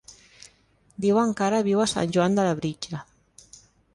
Diuen que ara viu a Sant Joan de Labritja.